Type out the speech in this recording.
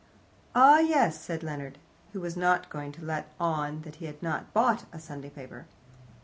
"Ah, yes," said Leonard, who was not going to let on that he had not bought a Sunday paper.